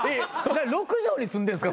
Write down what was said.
６畳に住んでんすか？